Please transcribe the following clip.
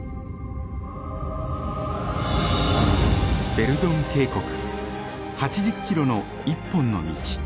ヴェルドン渓谷８０キロの一本の道。